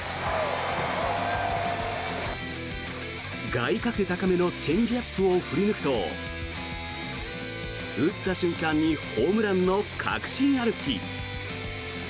外角高めのチェンジアップを振り抜くと打った瞬間にホームランの確信歩き。